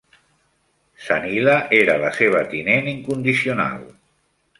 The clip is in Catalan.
Sanila era la seva tinent incondicional.